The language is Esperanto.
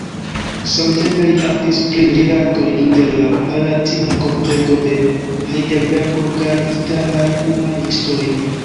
Samtempe li aŭdis pri rilatoj inter la palatina kortego de Hajdelbergo kaj italaj humanistoj.